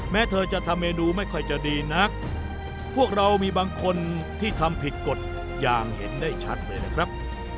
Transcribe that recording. แม้เธอจะทำเมนูไม่ค่อยจะดีนักพวกเรามีบางคนที่ทำผิดกฎอย่างเห็นได้ชัดเลยนะครับ